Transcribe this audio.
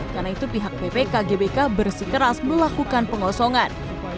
karena itu pihak pp kgbk bersikeras melakukan pengosongan